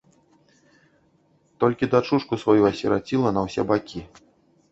Толькі дачушку сваю асіраціла на ўсе бакі.